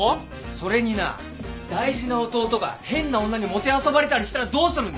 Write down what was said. それにな大事な弟が変な女にもてあそばれたりしたらどうするんだ！